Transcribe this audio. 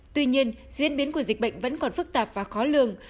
tuy nhiên diễn biến của dịch bệnh vẫn còn phức tạp và khó lường